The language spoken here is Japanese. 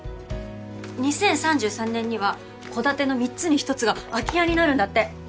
２０３３年には戸建ての三つに一つが空き家になるんだって。